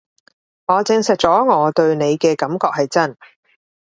我證實咗我對你嘅感覺係真